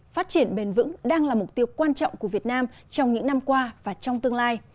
phát triển bền vững đang là mục tiêu quan trọng của việt nam trong những năm qua và trong tương lai